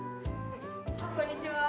こんにちは。